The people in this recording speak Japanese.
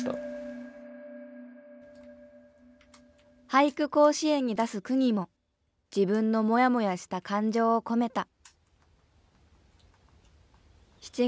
「俳句甲子園」に出す句にも自分のモヤモヤした感情を込めた。